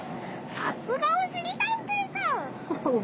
さすがおしりたんていさん！